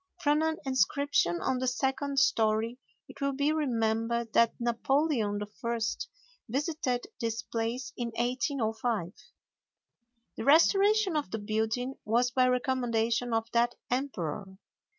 From an inscription on the second story it will be remembered that Napoleon I. visited this place in 1805. The restoration of the building was by recommendation of that emperor.